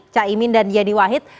caimin dan yeni wahid